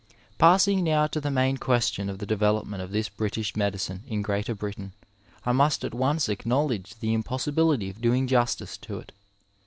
n Passing now to the main question of the development of this British medicine in Greater Britain, I must at once acknowledge the impossibility of doing justice to it.